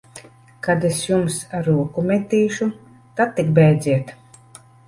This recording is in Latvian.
Kad es jums ar roku metīšu, tad tik bēdziet!